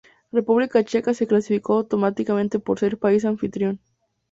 República Checa se clasificó automáticamente por ser país anfitrión.